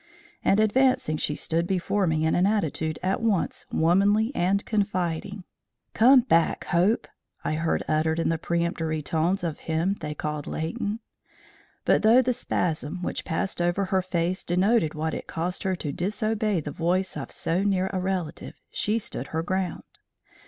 And advancing, she stood before me in an attitude at once womanly and confiding. "Come back, Hope!" I heard uttered in the peremptory tones of him they called Leighton. But though the spasm which passed over her face denoted what it cost her to disobey the voice of so near a relative, she stood her ground.